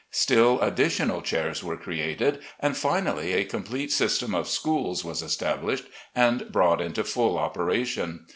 Still additional chairs were created, and finally a complete system of ' schools ' was established and brought into full operation.